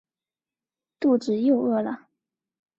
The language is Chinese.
肚子又饿了